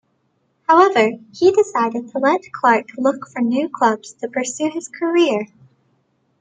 However, he decided to let Clark look for new clubs to pursue his career.